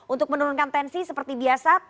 untuk menurunkan tensi seperti biasa